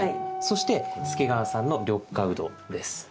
そして助川さんの緑化ウドです。